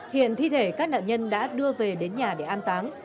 hiện thi thể các nạn nhân đã đưa về đến nhà để an táng